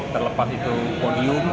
terlepas itu podium